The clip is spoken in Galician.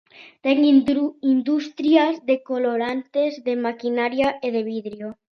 Ten industrias de colorantes, de maquinaria e de vidro.